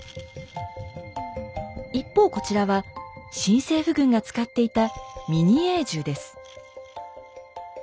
一方こちらは新政府軍が使っていたミニエー銃です。